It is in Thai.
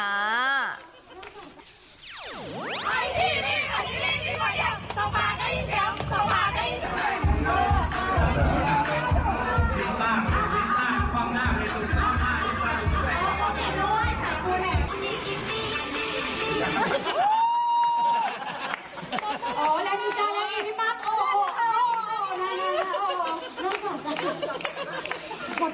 อ๋อแล้วมีจานแล้วเองพี่ปั๊บ